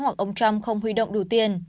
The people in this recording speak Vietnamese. hoặc ông trump không huy động đủ tiền